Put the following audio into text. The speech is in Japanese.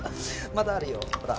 まだあるよほら。